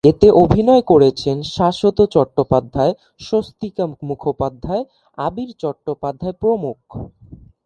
এতে অভিনয়ে করেছেন শাশ্বত চট্টোপাধ্যায়, স্বস্তিকা মুখোপাধ্যায়, আবির চট্টোপাধ্যায় প্রমুখ।